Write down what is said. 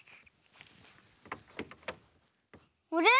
あれ？